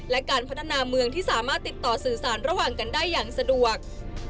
และการพัฒนาเมืองที่สามารถติดต่อสื่อสารระหว่างกันได้อย่างสะดวก